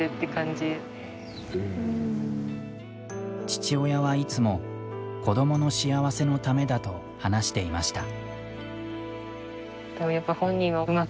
父親はいつも子どもの幸せのためだと話していました。